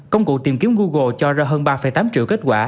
công cụ tìm kiếm google cho ra hơn ba tám triệu kết quả